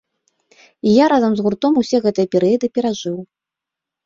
І я разам з гуртом усе гэтыя перыяды перажыў.